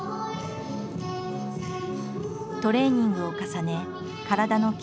トレーニングを重ね体の筋